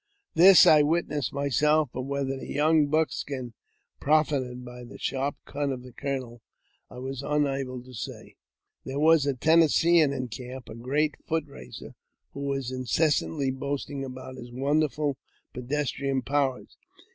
This I witnessed myself; but whether the young "buck skin " profited by the sharp cut of the colonel I am unable to say. There was a Tennesseean in camp, a great foot racer, who was incessantly boasting about his wonderful pedestrian powers.